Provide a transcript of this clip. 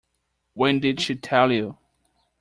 When did she tell you?